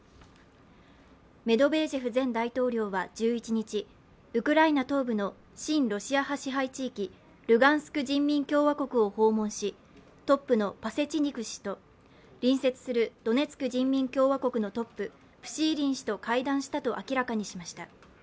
メドベージェフ前大統領は１１日、ウクライナ東部の親ロシア派支配地域ルガンスク人民共和国を訪問し、トップのパセチニク氏と隣接するドネツク人民共和国のトップ、プシーリン氏と会談したと明らかにしました。